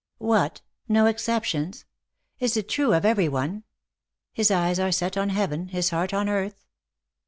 " What ! No exceptions ? Is it true of every one His eyes are set on heaven, his heart on earth?